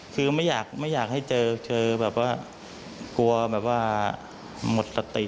คือไม่อยากให้เจอเจอแบบว่ากลัวแบบว่าหมดสติ